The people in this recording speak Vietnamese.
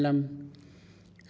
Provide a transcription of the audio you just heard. nhiệm vụ năm năm